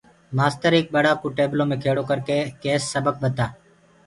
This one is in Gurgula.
مآستر ايڪ ٻڙآ ڪو ٽيبلو مي کِيڙو ڪرڪي ڪيس سبڪ ٻتآ